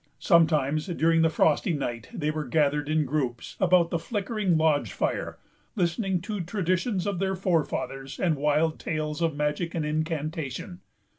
Sometimes, during the frosty night, they were gathered in groups about the flickering lodge fire, listening to traditions of their forefathers, and wild tales of magic and incantation.